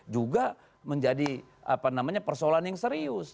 juga menjadi apa namanya persoalan yang serius